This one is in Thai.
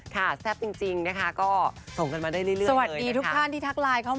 ส่วนเรื่องน้องเอสเตอร์อย่างที่บอกไป